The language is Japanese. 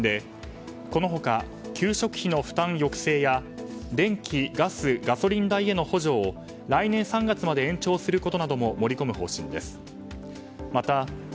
重点支援地方交付金を増額して対応する方針でこの他給食費の負担抑制や電気・ガスガソリン代への補助を来年３月まで延長することなども盛り込む方針です。